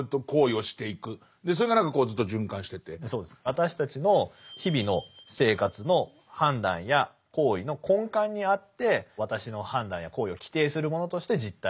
私たちの日々の生活の判断や行為の根幹にあって私の判断や行為を規定するものとして「実体」というふうに呼んでる。